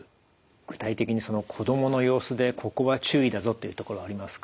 具体的に子どもの様子でここは注意だぞというところありますか？